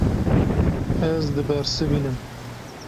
Ez dibersivînim.